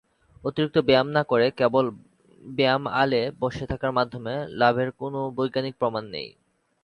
অতিরিক্ত ব্যায়াম না করে কেবল ব্যায়াম আলে বসে থাকার মাধ্যমে লাভের কোনও বৈজ্ঞানিক প্রমাণ নেই।